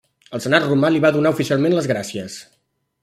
El senat romà li va donar oficialment les gràcies.